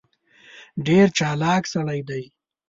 ډېر چالاک سړی دی.